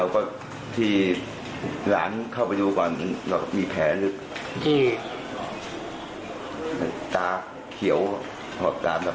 กลับบ้านทุกวันหรือเปล่าครับ